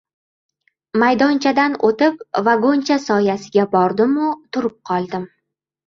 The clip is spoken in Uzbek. maydonchadan o‘tib, vagoncha soyasiga bordim-u, turib qoldim.